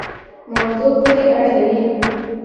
موضوع پوری اړه لری